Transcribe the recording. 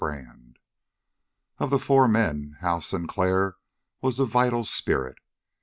1 Of the four men, Hal Sinclair was the vital spirit.